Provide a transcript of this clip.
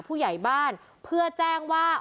ผู้ใหญ่บ้านเพื่อแจ้งว่า